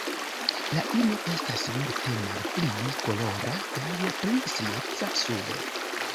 La ino estas multe malpli kolora kaj pli strieca sube.